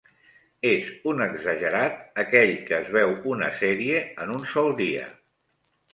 És un exagerat aquell que es veu una sèrie en un sol dia.